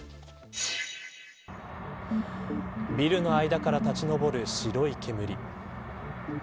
ビルの間から立ち上る白い煙。